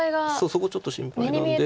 そこちょっと心配なんで。